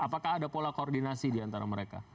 apakah ada pola koordinasi diantara mereka